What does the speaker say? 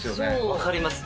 分かります